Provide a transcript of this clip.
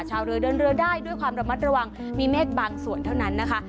ชาวเรือเดินเรือได้ด้วยความระมัดระวังมีเมฆบางส่วนเท่านั้นนะคะ